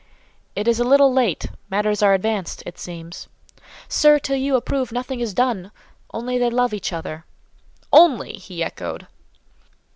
"It is a little late. Matters are advanced, it seems." "Sir, till you approve, nothing is done—only they love each other." "Only!" he echoed.